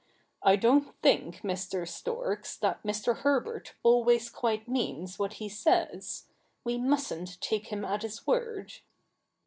I don't think, Mr. Storks, that Mr. Herbert always quite means what he says. We mustn't take him at his word.'